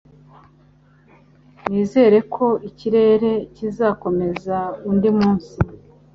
Nizere ko ikirere kizakomeza undi munsi.